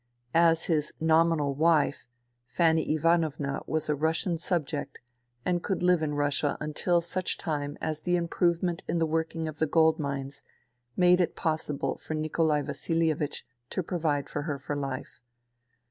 As his nominal wife Fanny Ivan ovna was a Russian subject and could live in Russia until such time as the improvement in the working of the gold mines made it possible for Nikolai Vasilievich to provide for her for life.